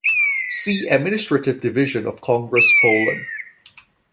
See Administrative division of Congress Poland.